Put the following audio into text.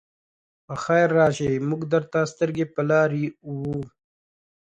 پخير راشئ! موږ درته سترګې په لار وو.